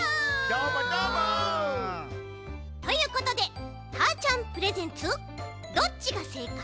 どーもどーも！ということでたーちゃんプレゼンツ「どっちが正解？